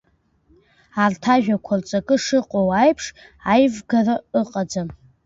Арҭ ажәақәа рҵакы шыҟоу аиԥш аивгара ыҟаӡам…